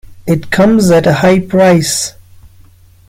It comes at a high price.